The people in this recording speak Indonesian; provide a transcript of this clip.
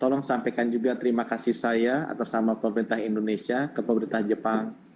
tolong sampaikan juga terima kasih saya atas nama pemerintah indonesia ke pemerintah jepang